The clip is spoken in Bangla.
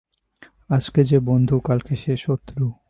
আজকে যে বন্ধু, কালকে সে শত্রু।